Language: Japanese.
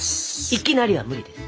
「いきなり」は無理です。